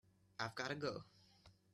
I've got to go.